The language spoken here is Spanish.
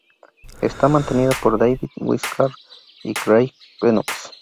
Está mantenida por David Wishart y Craig Knox.